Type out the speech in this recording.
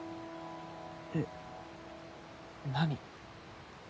えっ何。